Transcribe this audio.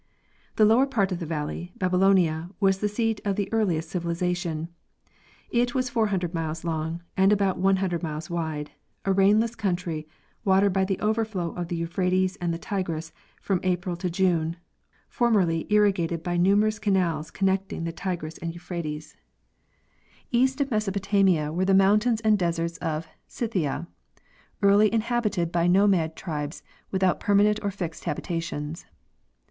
The lower part of the valley, Babylonia, was the seat of the earliest civilization. It was 400 miles long and about 100 miles wide, a rainless country watered by the overflow of the Euphrates and the Tigris from April to June, formerly irri gated by numerous canals connecting the Tigris and Euphrates, SG. G. Hubbard—Geographic Progress of Civilization. East of Mesopotamia were the mountains and deserts of Scythia, early inhabited by nomad tribes without permanent or fixed habitations.